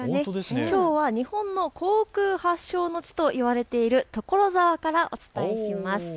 きょうは日本の航空発祥の地と言われている所沢からお伝えします。